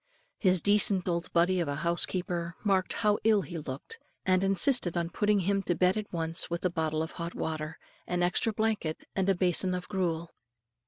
His decent old body of a housekeeper marked how ill he looked, and insisted on putting him to bed at once, with a bottle of hot water, an extra blanket, and a basin of gruel.